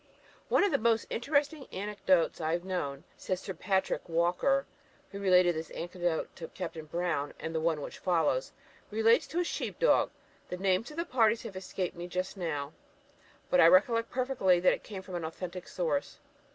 "One of the most interesting anecdotes I have known," says Sir Patrick Walker, who related this anecdote to Captain Brown, and the one which follows, "relates to a sheep dog. The names of the parties have escaped me just now, but I recollect perfectly that it came from an authentic source.